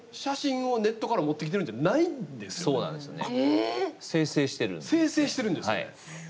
そうなんですよね。